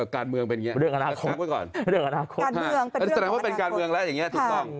การเมืองเป็นอย่างนี้สมัครว่าเป็นการเมืองแล้วอย่างนี้ถูกต้อง